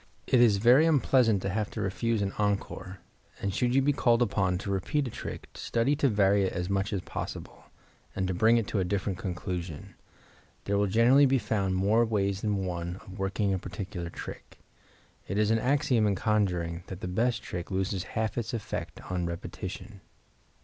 It is very unpleasant to have to refuse an encore; and should you be called upon to repeat a trick study to vary it as much as possible, and to bring it to a different conclusion. There will generally be found more ways than one of working a particular trick. It is an axiom in conjuring that the best trick loses half its effect on repetition.